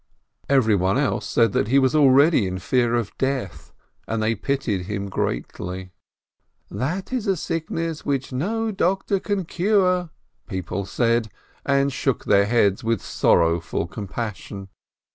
Every one else said that he was already in fear of death, and they pitied him greatly. "That is a sickness which no doctor can cure," people said, and shook their heads with sorrowful compassion.